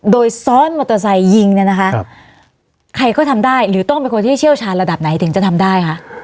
โดยซ้อนมอเตอร์ไซค์ยิงเนี่ยนะคะใครก็ทำได้หรือต้องเป็นคนที่เชี่ยวชาญระดับไหนถึงจะทำได้คะ